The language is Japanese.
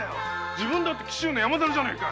自分だって紀州の山猿じゃねえか。